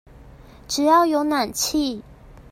只要有暖氣